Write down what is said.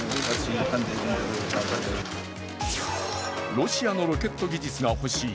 ロシアのロケット技術が欲しい